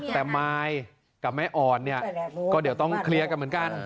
แต่มายกับแม่อ่อนเนี่ยก็เดี๋ยวต้องเคลียร์กันเหมือนกัน